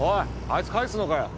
あいつ帰すのかよ